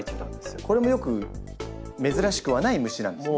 これもよく珍しくはない虫なんですか？